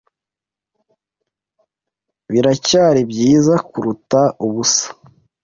Biracyari byiza kuruta ubusa.